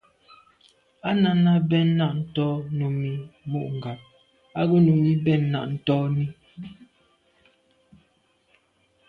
Â Náná bɛ̂n náɁ tɔ́ Númí mû ŋgáp á gə́ Númí bɛ̂n náɁ tɔ́n–í.